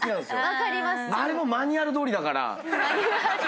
あれもマニュアルどおりだから。